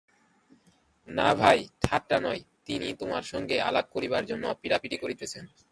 না ভাই, ঠাট্টা নয়–তিনি তোমার সঙ্গে আলাপ করিবার জন্য পীড়াপীড়ি করিতেছেন।